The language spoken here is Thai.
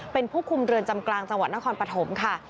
เป็นผู้คุมเรือนจำกลางจังหวัดนครปฐมค่ะ